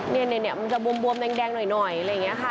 เนี่ยมันจะบวมแดงหน่อยอะไรอย่างนี้ค่ะ